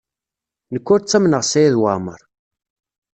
Nekk ur ttamneɣ Saɛid Waɛmaṛ.